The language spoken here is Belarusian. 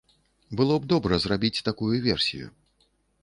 Было б добра зрабіць такую версію.